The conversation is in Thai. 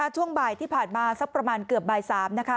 ช่วงบ่ายที่ผ่านมาประมาณรูปใบ๓นะคะ